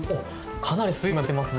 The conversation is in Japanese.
かなり水分が出てますね。